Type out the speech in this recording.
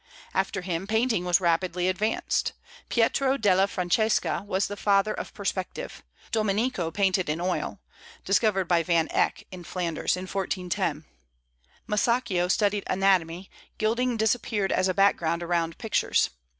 After him, painting was rapidly advanced. Pietro della Francesca was the father of perspective; Domenico painted in oil, discovered by Van Eyck in Flanders, in 1410; Masaccio studied anatomy; gilding disappeared as a background around pictures.